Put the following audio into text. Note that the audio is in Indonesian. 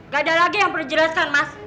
gak ada lagi yang perlu dijelaskan mas